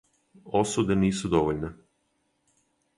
Осуде нису довољне.